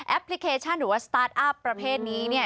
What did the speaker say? แอปพลิเคชันหรือว่าสตาร์ทอัพประเภทนี้